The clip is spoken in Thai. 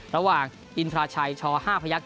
ระหว่างอินทราชัยช๕พยักษ